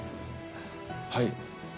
はい。